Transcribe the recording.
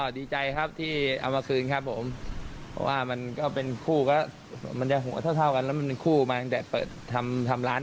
นี่เฮียใจดีจะตาย